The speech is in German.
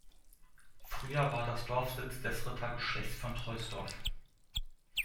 Früher war das Dorf Sitz des Rittergeschlechts von Troisdorf.